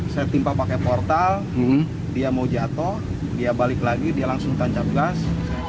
saya timpa pakai portal dia mau jatuh dia balik lagi dia langsung tancap gas